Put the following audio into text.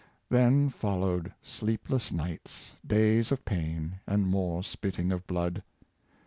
Then followed sleepless nights, days of pain, and more spitting of blood.